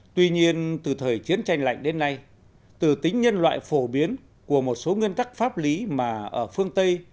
tuy nhiên từ thời chiến tranh lạnh đến nay từ tính nhân loại phổ biến của một số nguyên tắc pháp lý mà ở phương tây